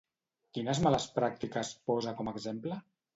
Quines males pràctiques posa com a exemple?